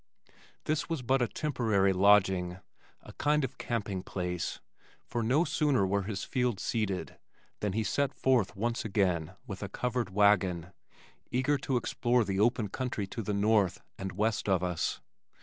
This was but a temporary lodging, a kind of camping place, for no sooner were his fields seeded than he set forth once again with a covered wagon, eager to explore the open country to the north and west of us.